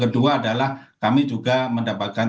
kedua adalah kami juga mendapatkan